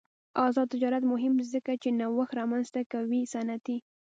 آزاد تجارت مهم دی ځکه چې نوښت رامنځته کوي صنعتي.